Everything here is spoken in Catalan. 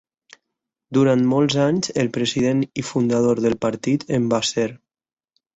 Durant molts anys el president i fundador del partit en va ser.